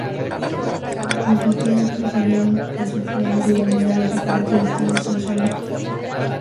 Los británicos siguieron con su plan de unir a los diferentes estados en Sudáfrica.